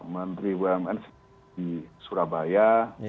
menteri bumn di surabaya